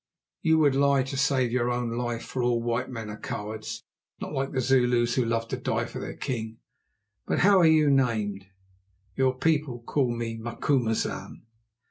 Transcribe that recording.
"You would lie to save your own life, for all white men are cowards; not like the Zulus, who love to die for their king. But how are you named?" "Your people call me Macumazahn."